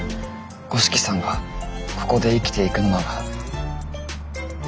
五色さんがここで生きていくのなら協力したい。